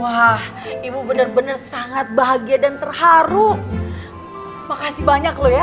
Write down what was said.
wah ibu bener bener sangat bahagia dan terharu makasih banyak lo ya